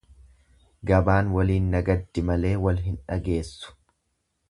Gabaan waliin nagaddi malee wal hin dhageessu.